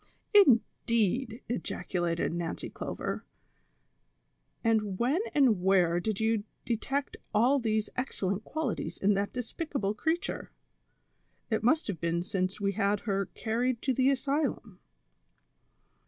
217 "Indeed," ejaculated jSTancy Clover; "and when and where did you detect all these excellent qualities in that despicable creature V It must have been since we had her carried to the asylum."